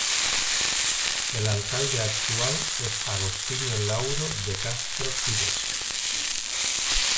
El alcalde actual es Agostinho Lauro de Castro Pires.